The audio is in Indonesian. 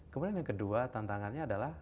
kemudian yang kedua tantangannya adalah